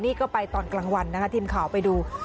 นี่ก็ไปตอนกลางวันนะคะทีมข่าวไปดู